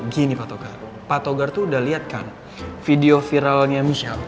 gini pak togar pak togar tuh udah lihat kan video viralnya michelle